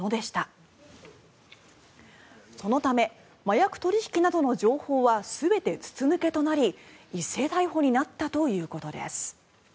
そのため、麻薬取引などの情報は全て筒抜けとなり一斉逮捕になったということです。